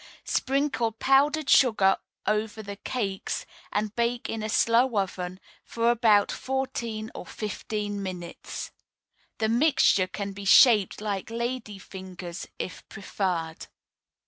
Sprinkle powdered sugar over the cakes, and bake in a slow oven for about fourteen or fifteen minutes. The mixture can be shaped like lady fingers, if preferred.